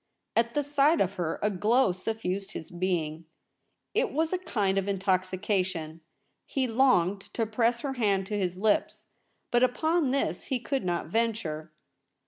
At the sight of her a glow suffused his being. It was a kind of intoxica tion. He longed to press her hand to his lips; but upon this he could not venture.